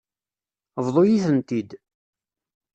Bḍu-yi-tent-id.